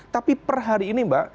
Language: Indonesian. tapi per hari ini mbak